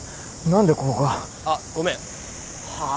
何でここが？あっごめん。は！？